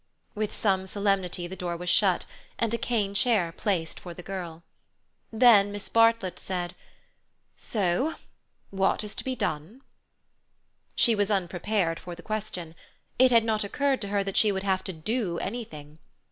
With some solemnity the door was shut, and a cane chair placed for the girl. Then Miss Bartlett said "So what is to be done?" She was unprepared for the question. It had not occurred to her that she would have to do anything.